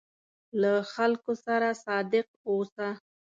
له خلکو سره صادق اوسه.